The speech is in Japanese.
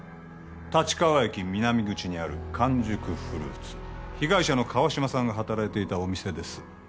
立川駅南口にある「完熟フルーツ」被害者の川島さんが働いていたお店です